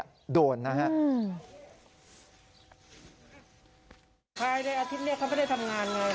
กลายในอาทิตย์เค้าไม่ได้ทำงานหรอก